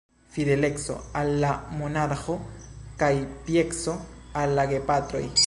Fideleco al la monarĥo kaj pieco al la gepatroj.